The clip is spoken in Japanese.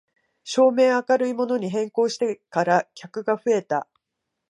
照明を明るいものに変更してから客が増えた